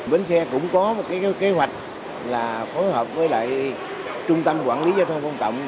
bến xe cũng có một kế hoạch phối hợp với trung tâm quản lý giao thông công cộng tp hcm